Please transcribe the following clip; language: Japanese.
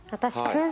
私。